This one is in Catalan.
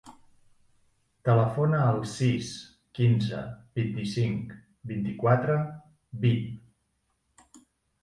Telefona al sis, quinze, vint-i-cinc, vint-i-quatre, vint.